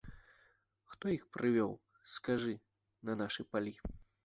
Хто іх прывёў, скажы, на нашы палі?